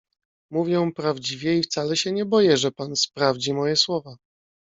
"Mówię prawdziwie i wcale się nie boję, że pan sprawdzi moje słowa."